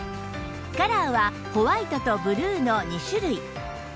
カラーはホワイトとブルーの２種類